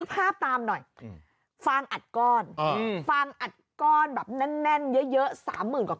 ภาพตามหน่อยฟางอัดก้อนฟางอัดก้อนแบบแน่นเยอะ๓๐๐๐กว่า